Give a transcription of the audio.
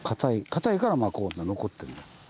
かたいからこう残ってんだ。